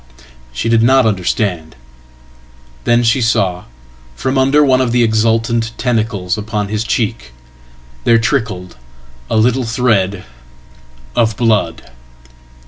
She did not understand. Then she saw from under one of the exultanttentacles upon his cheek there trickled a little thread of blood.